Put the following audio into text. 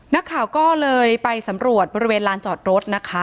นักข่าวก็เลยไปสำรวจบริเวณลานจอดรถนะคะ